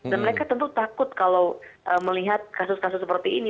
dan mereka tentu takut kalau melihat kasus kasus seperti ini